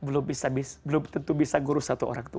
belum tentu bisa mengurus satu orang tua